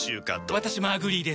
私もアグリーです。